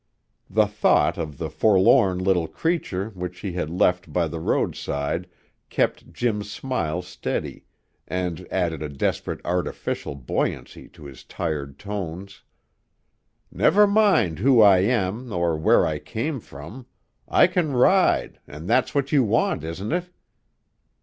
The thought of the forlorn little figure which he had left by the roadside kept Jim's smile steady, and added a desperate artificial buoyancy to his tired tones: "Never mind who I am or where I came from; I can ride, and that's what you want, isn't it?"